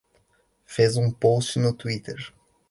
Fez um post no Twitter